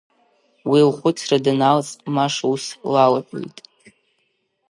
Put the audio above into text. Уи лхәыцра даналҵ Маша ус лалҳәеит…